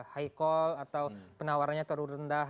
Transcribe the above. high call atau penawarannya terlalu rendah